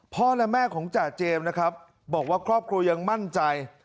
และแม่ของจ่าเจมส์นะครับบอกว่าครอบครัวยังมั่นใจ